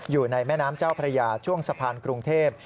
อยู่ในแม่น้ำเจ้าพระยาช่วงสะพานกรุงเทพ